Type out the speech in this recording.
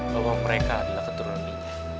bahwa mereka adalah keturunannya